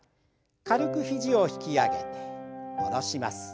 軽く肘を引き上げて下ろします。